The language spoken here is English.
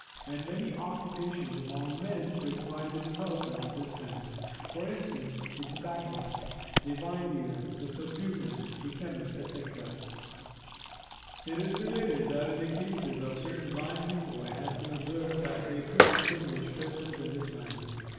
And many occupations among men require the development of this sense, for instance, the tobacconist, the wine dealer, the perfumers, the chemist, etc. It is related that in the cases of certain blind people, it has been observed that they could distinguish persons in this manner.